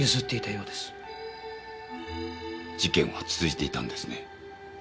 事件は続いていたんですね。